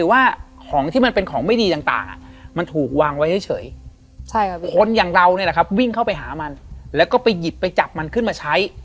วิ่งเข้าไปหามันแล้วก็ไปหยิบไปจับมันขึ้นมาใช้